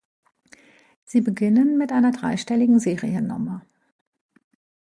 Sie beginnen mit einer dreistelligen Seriennummer.